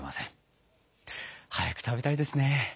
早く食べたいですね。